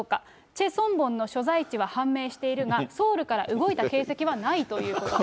チェ・ソンボンの所在地は判明しているが、ソウルから動いた形跡はないということで。